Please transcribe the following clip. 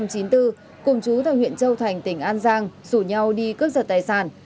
cùng chú tại huyện châu thành tỉnh an giang rủ nhau đi cướp giật tài sản